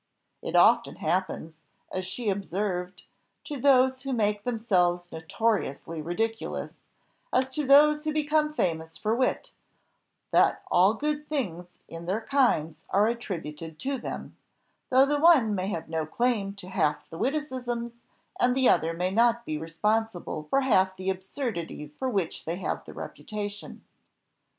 It often happens, as she observed, to those who make themselves notoriously ridiculous, as to those who become famous for wit, that all good things in their kinds are attributed to them; though the one may have no claim to half the witticisms, and the other may not be responsible for half the absurdities for which they have the reputation.